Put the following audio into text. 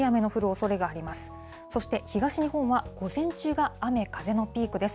そして、東日本は午前中が雨、風のピークです。